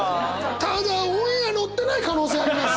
ただオンエアのってない可能性あります！